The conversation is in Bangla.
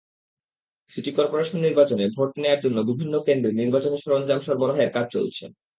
সিটি করপোরেশন নির্বাচনে ভোট নেওয়ার জন্য বিভিন্ন কেন্দ্রে নির্বাচনী সরঞ্জাম সরবরাহের কাজ চলছে।